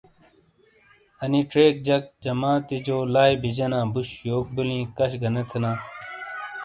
انی چیک جک جماتیجو لائی بیجینا بوش یوک بیلیں کش گہ نے تھینا ۔